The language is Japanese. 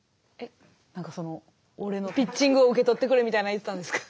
何か俺のピッチングを受け取ってくれみたいな言ったんですか？